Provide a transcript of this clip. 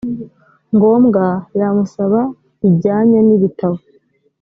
ngombwa yamusaba bijyanye n ibitabo